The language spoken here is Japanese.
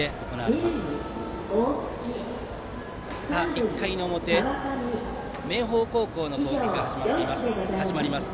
１回表、明豊高校の攻撃が始まります。